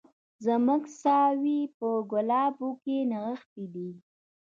زموږ ساوي په ګلابو کي نغښتي دي